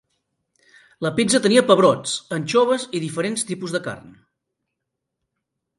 La pizza tenia pebrots, anxoves i diferents tipus de carn.